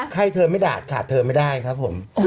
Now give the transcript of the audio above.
ให้เธอไม่ดาดขาดเธอไม่ได้ครับผม